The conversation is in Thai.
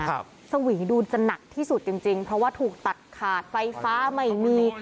สวีดูจะหนักที่สุดจริงจริงเพราะว่าถูกตัดขาดไฟฟ้าไม่มี